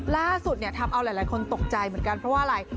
ล่าสุดเนี่ยทำเอาหลายคนตกใจเหมือนกันเพราะว่าอะไร